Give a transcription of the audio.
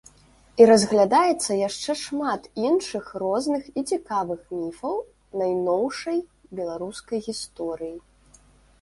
І разглядаецца яшчэ шмат іншых розных і цікавых міфаў найноўшай беларускай гісторыі.